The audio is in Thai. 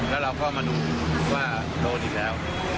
แล้วเราก็มาดูว่าโดนอีกแล้ว